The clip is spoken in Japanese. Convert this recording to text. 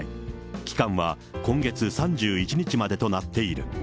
期間は今月３１日までとなっている。